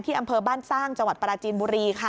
อำเภอบ้านสร้างจังหวัดปราจีนบุรีค่ะ